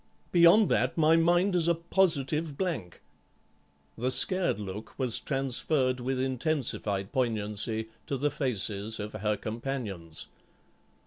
Beyond that my mind is a positive blank." The scared look was transferred with intensified poignancy to the faces of her companions.